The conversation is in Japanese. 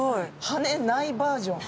羽根ないバージョン。